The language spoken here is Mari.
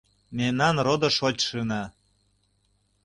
Мемнан родо-шочшына